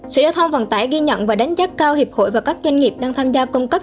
sở giao thông vận tải ghi nhận và đánh giá cao hiệp hội và các doanh nghiệp đang tham gia cung cấp